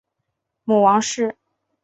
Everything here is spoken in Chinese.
母王氏。